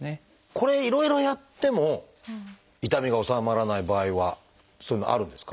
これいろいろやっても痛みが治まらない場合はそういうのあるんですか？